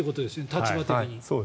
立場的に。